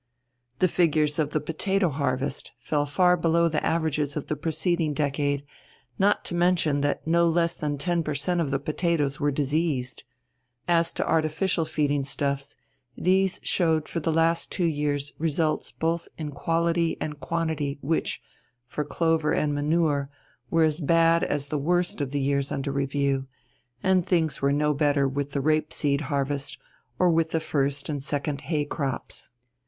The figures of the potato harvest fell far below the average of the preceding decade, not to mention that no less than 10 per cent. of the potatoes were diseased. As to artificial feeding stuffs, these showed for the last two years results both in quality and quantity which, for clover and manure, were as bad as the worst of the years under review, and things were no better with the rapeseed harvest or with the first and second hay crops.